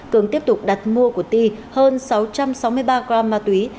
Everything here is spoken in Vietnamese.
cường tiếp tục đặt mua của ti hơn sáu trăm sáu mươi ba gram ma túy